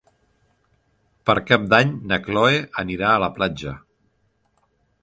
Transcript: Per Cap d'Any na Chloé anirà a la platja.